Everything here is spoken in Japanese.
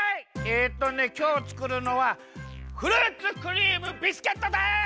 えっとねきょうつくるのはフルーツクリームビスケットです！